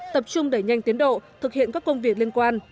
tập trung đẩy nhanh tiến độ thực hiện các công việc liên quan